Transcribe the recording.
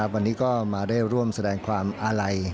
วันนี้ก็มาได้ร่วมแสดงความอาลัย